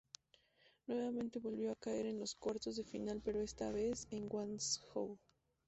Nuevamente volvió a caer en los Cuartos de final pero esta vez en Guangzhou.